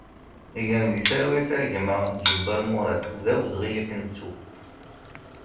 Gen di talwit a gma Ǧebbar Murad, d awezɣi ad k-nettu!